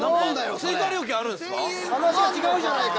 追加料金あるんですか？